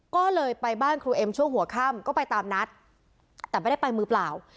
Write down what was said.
ก็เลยไปบ้านครูเอ็มช่วงหัวค่ำก็ไปตามนัดแต่ไม่ได้ไปมือเปล่า